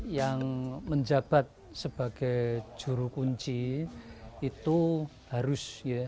yang menjabat sebagai juru kunci itu harus